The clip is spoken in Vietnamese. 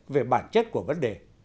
về bản chất của vấn đề